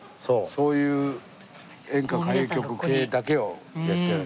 そういう演歌・歌謡曲系だけをやってらっしゃる。